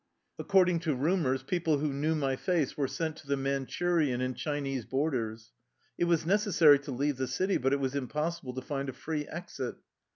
Accord ing to rumors, people who knew my face were sent to the Manchurian and Chinese borders. It was necessary to leave the city, but it was impossible to find a free exit.